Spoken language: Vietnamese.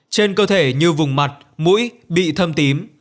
trên cơ thể như vùng mặt mũi bị thâm tím